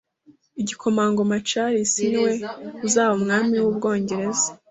Igikomangoma Charles niwe uzaba umwami w’Ubwongereza